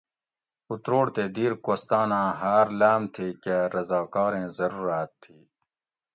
اُتروڑ تے دیر کوھستاۤن آں ھاۤر لاۤم تھی کہ رضاکۤاریں ضرورات تھی